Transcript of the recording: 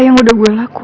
yaudah terserah kamu